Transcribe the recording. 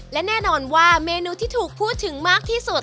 และแน่นอนว่าเมนูที่ถูกพูดถึงมากที่สุด